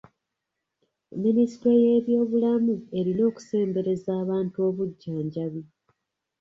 Minisitule y'ebyobulamu erina okusembereza abantu obujjanjabi.